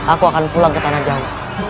aku akan pulang ke tanah jawa